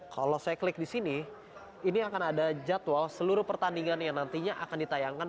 kalau saya klik di sini ini akan ada jadwal seluruh pertandingan yang nantinya akan ditayangkan